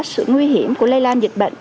sự nguy hiểm của lây lan dịch bệnh